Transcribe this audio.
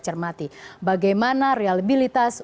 cermati bagaimana realibilitas